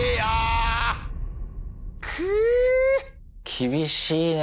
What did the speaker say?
厳しいねえ。